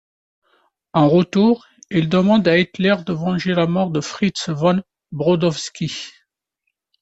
En retour, il demande à Hitler de venger la mort de Fritz von Brodowski.